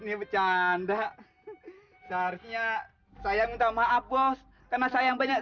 mobil dasar kecamu diajak cepat cepat